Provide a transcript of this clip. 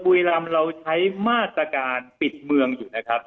บุรีรำเราใช้มาตรการปิดเมืองอยู่นะครับ